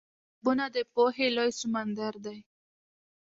کتابونه د پوهې لوی سمندر دی.